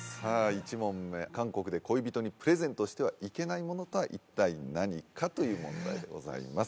１問目韓国で恋人にプレゼントしてはいけないものとは一体何か？という問題でございます